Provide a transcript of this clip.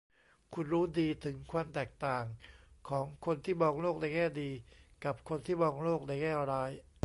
คุณรู้ดีถึงความแตกต่างของคนที่มองโลกในแง่ดีกับคนที่มองโลกในแง่ร้าย